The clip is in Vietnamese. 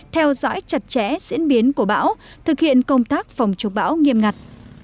theo dõi chặt chẽ diễn biến của bão thực hiện công tác phòng chống bão nghiêm ngặt